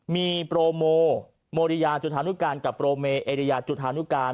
มีโปรโมโมริยาจุธานุการกับโปรเมเอริยาจุธานุการ